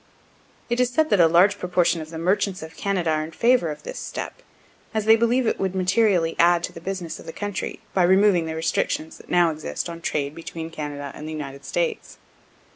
It is said that a large proportion of the merchants of Canada are in favor of this step, as they believe it would materially add to the business of the country, by removing the restrictions that now exist on trade between Canada and the States.